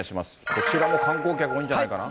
こちらも観光客多いんじゃないかな。